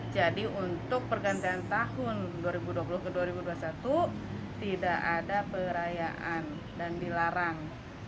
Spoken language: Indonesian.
jadi untuk pergantian tahun dua ribu dua puluh ke dua ribu dua puluh satu tidak ada perayaan dan dilarang